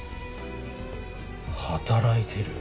働いてる。